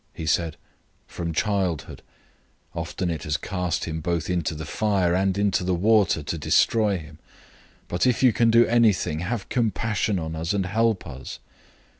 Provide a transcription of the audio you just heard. He said, "From childhood. 009:022 Often it has cast him both into the fire and into the water, to destroy him. But if you can do anything, have compassion on us, and help us."